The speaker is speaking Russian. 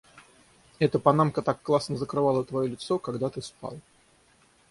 Эта панамка так классно закрывала твоё лицо, когда ты спал.